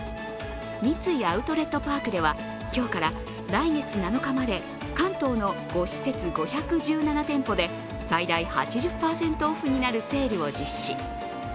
三井アウトレットパークでは今日から来月７日まで関東の５施設５１７店舗で最大８０％オフになるセールを実施。